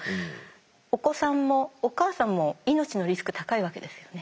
お子さんもお母さんも命のリスク高いわけですよね。